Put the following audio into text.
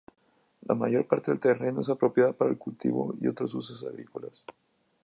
La mayor parte del terreno es apropiada para el cultivo y otro usos agrícolas.